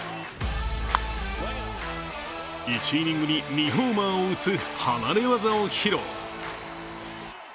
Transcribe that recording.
１イニングに２ホーマーを打つ離れ業を披露。